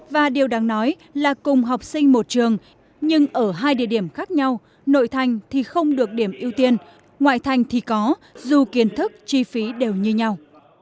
và điều đáng nói là cùng học sinh một trường nhưng ở hai địa điểm khác nhau nội thành thì không được điểm ưu tiên ngoại thành thì có dù kiến thức chi phí đều như nhau